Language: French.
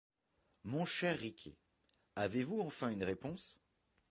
Mon cher Riquet, avez-vous enfin une réponse ?